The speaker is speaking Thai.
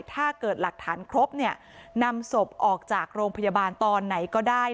ถ้าเกิดหลักฐานครบเนี่ยนำศพออกจากโรงพยาบาลตอนไหนก็ได้